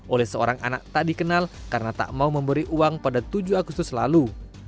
oleh seorang anak tak dikenal karena tak mau memberi uang pada tujuh agustus lalu